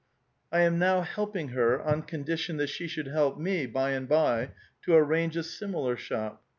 I am now helping her, on condition that she should help me by and by to arrange a similar shop.